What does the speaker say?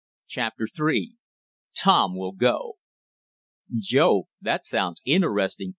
CHAPTER III TOM WILL GO "Jove! That sounds interesting!"